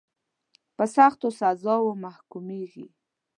په سختو سزاوو محکومیږي.